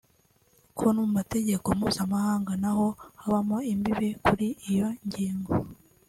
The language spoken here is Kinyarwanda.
ko no mu mategeko mpuzamahanga naho habamo imbibi kuri iyo ngingo